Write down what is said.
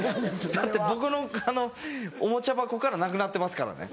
だって僕のおもちゃ箱からなくなってますからね。